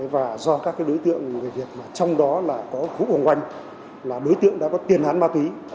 và do các cái đối tượng trong đó là có khu vùng quanh là đối tượng đã có tiền án ma túy